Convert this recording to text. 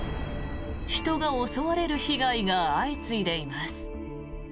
人が襲われる被害が相次いでいます。